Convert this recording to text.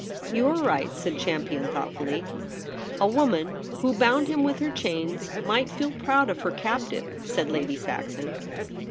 ' You are right,' said Champion thought fully. * A woman who bound him with her chains might feel proud of her captive,' said Lady Saxon.